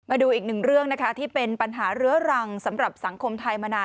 มาดูอีกหนึ่งเรื่องนะคะที่เป็นปัญหาเรื้อรังสำหรับสังคมไทยมานาน